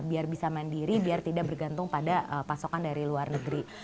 biar bisa mandiri biar tidak bergantung pada pasokan dari luar negeri